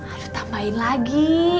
aduh tambahin lagi